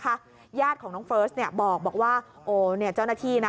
ญาติของน้องเฟิร์สเนี่ยบอกว่าโอ้เนี่ยเจ้าหน้าที่นะ